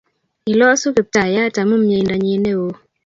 Ilosu Kiptayat amun myeindonyi ne o.